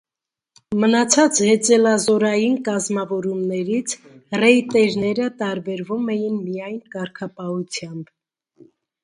Մնացած հեծելազորային կազմավորումներից ռեյտերները տարբերվում էին միայն կարգապահությամբ։